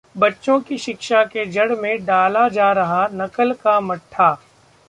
बच्चों की शिक्षा के जड़ में डाला जा रहा नकल का मट्ठा...